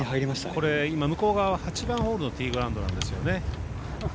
これ、向こう側は８番ホールのティーグラウンドなんですよね。